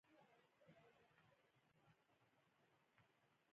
کوزو پښتنو ته د عدم تشدد مبارزې له امله